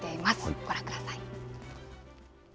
ご覧ください。